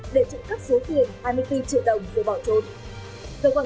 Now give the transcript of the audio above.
để trụ cấp số tiền hai mươi bốn triệu đồng rồi bỏ trốn